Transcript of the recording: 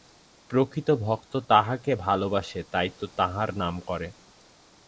প্রকৃত ভক্ত তাঁহাকে ভালবাসে, তাই তো তাঁহার নাম করে।